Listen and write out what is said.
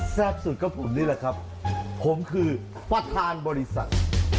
สุดก็ผมนี่แหละครับผมคือประธานบริษัท